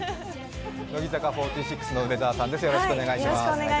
乃木坂４６の梅澤さんです。